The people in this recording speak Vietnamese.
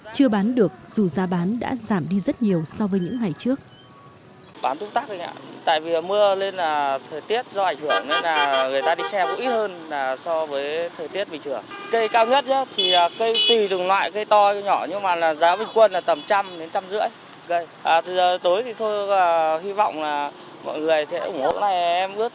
chưa bán được dù giá bán đã giảm đi rất nhiều so với những ngày trước